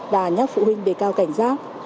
và nhắc phụ huynh đề cao cảnh giác